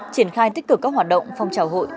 triển khai tích cực các hoạt động phong trào hội